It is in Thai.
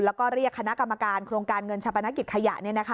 แล้วก็เรียกคณะกรรมการโครงการเงินชาปนกิจขยะ